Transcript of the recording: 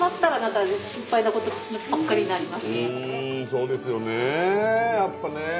そうですよねやっぱね。